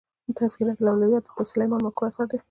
"تذکرةالاولیا" د سلیمان ماکو اثر دﺉ.